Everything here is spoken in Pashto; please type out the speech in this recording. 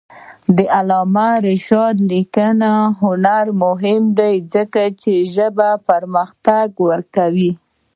د علامه رشاد لیکنی هنر مهم دی ځکه چې ژبه پرمختګ ورکوي.